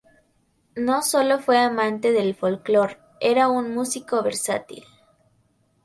No sólo fue amante del folclor, era un músico versátil.